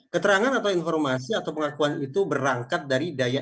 keterangan atau informasi atau pengakuan itu berangkat dari daya